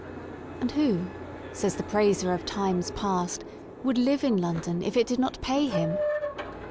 And whOf says the praiser of Times Past, would live in London if it did not pay him?